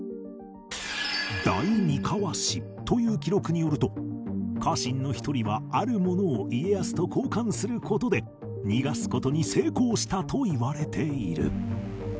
『大三川志』という記録によると家臣の一人はあるものを家康と交換する事で逃がす事に成功したといわれている